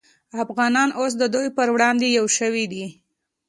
افغانان اوس د دوی پر وړاندې یو شوي دي